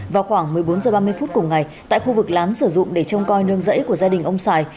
vào khoảng một mươi bốn h ba mươi phút cùng ngày tại khu vực lán sử dụng để trông coi nương rẫy của gia đình ông sài